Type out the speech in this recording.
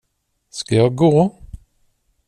Ska jag gå?